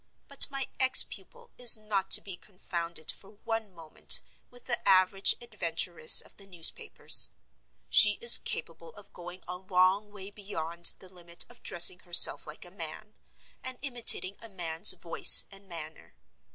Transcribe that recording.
But my ex pupil is not to be confounded for one moment with the average adventuress of the newspapers. She is capable of going a long way beyond the limit of dressing herself like a man, and imitating a man's voice and manner.